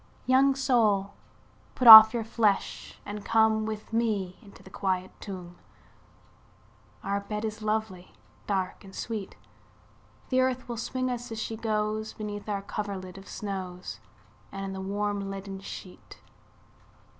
II. Young soul put off your flesh, and come With me into the quiet tomb, Our bed is lovely, dark, and sweet; The earth will swing us, as she goes, Beneath our coverlid of snows, And the warm leaden sheet.